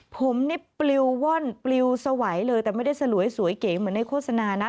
ผมนี่ปลิวว่อนปลิวสวัยเลยแต่ไม่ได้สลวยสวยเก๋เหมือนในโฆษณานะ